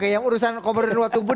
yang urusan komunikasi dan luar tubuh